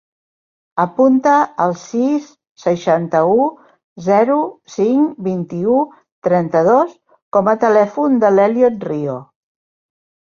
Apunta el sis, seixanta-u, zero, cinc, vint-i-u, trenta-dos com a telèfon de l'Elliot Rio.